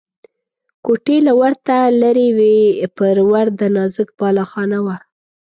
کوټې له ورته لرې وې، پر ور د نازک بالاخانه وه.